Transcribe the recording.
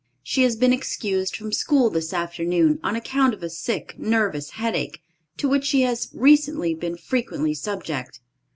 She has been excused from school this afternoon, on account of a sick, nervous headache, to which she has recently been frequently subject.